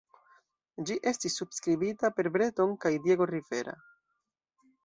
Ĝi estis subskribita per Breton kaj Diego Rivera.